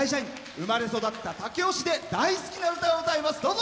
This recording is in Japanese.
生まれ育った武雄市で大好きな歌を歌います。